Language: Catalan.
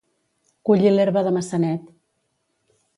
Collir l'herba de Maçanet.